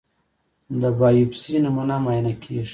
د بایوپسي نمونې معاینه کېږي.